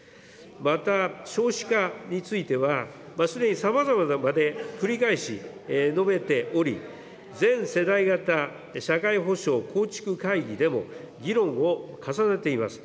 また、少子化については、すでにさまざまな場で繰り返し述べており、全世代型社会保障構築会議でも、議論を重ねています。